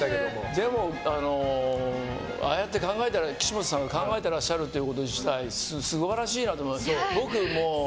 でも、ああやって岸本さんが考えていらっしゃること自体素晴らしいなと思います。